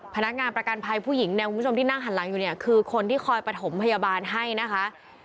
พนักงานประกันภัยผู้หญิงนั้นคือคนที่คอยประถมพยาบาลให้นะคะ